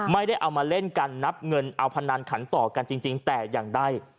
ไม่ได้เอามาเล่นกันนับเงินเอาพนันขันต่อกันจริงแต่อย่างใด